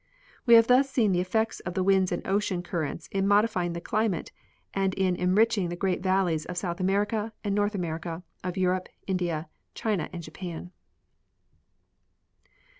We have thus seen the effects of the winds and ocean currents in modifying the climate and in enriching the great valleys of South America and North America, of Europe, India, China and Jajjan.